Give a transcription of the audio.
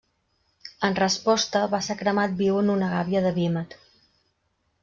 En resposta, va ser cremat viu en una gàbia de vímet.